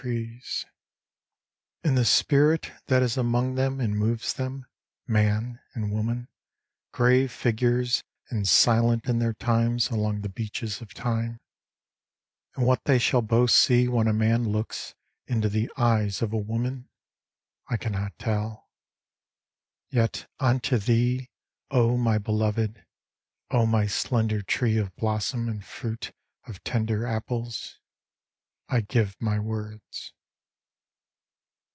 68 IN THE NET OF THE STARS And the spirit that is among them and moves them, man and woman, Grave figures and silent in their times along the beaches of Time ; And what they shall both see when a man looks into the eyes of a woman, I cannot tell. Yet unto thee, O my Beloved, my slender tree of blossom and fruit of tender apples, 1 give my words.